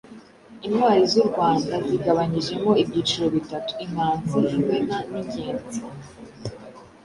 Intwali z’u Rwanda zigabanyijemo ibyiciro bitatu: Imanzi, Imena n’Ingenzi.